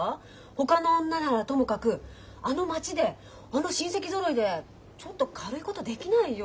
ほかの女ならともかくあの町であの親戚ぞろいでちょっと軽いことできないよ。